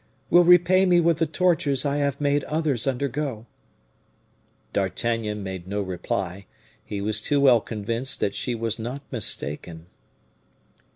will repay me with the tortures I have made others undergo." D'Artagnan made no reply; he was too well convinced that she was not mistaken.